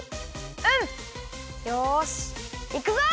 よしいくぞ！